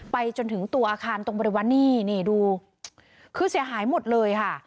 จนถึงตัวอาคารตรงบริเวณนี้นี่ดูคือเสียหายหมดเลยค่ะ